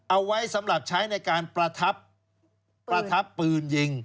เอาไว้สำหรับใช้ในการประทับประทับปืนยิง